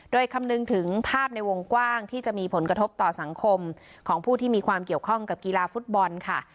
โดยคำนึงถึงภาพในวงกว้างที่จะมีผลกระทบต่อสังคมของผู้ที่มีความเกี่ยวข้องกับกีฬาฟุตบอลค่ะ